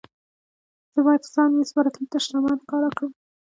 زه باید ځان مېس بارکلي ته شتمن ښکاره کړم.